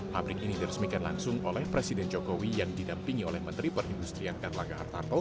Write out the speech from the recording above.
pabrik ini diresmikan langsung oleh presiden jokowi yang didampingi oleh menteri perindustrian erlangga hartarto